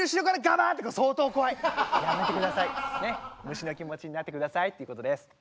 虫の気持ちになってくださいっていうことです。